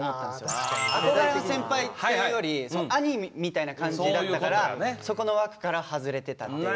憧れの先輩っていうより兄みたいな感じだったからそこの枠から外れてたっていう。